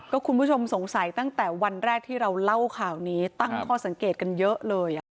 คุณผู้ชมสงสัยตั้งแต่วันแรกที่เราเล่าข่าวนี้ตั้งข้อสังเกตกันเยอะเลย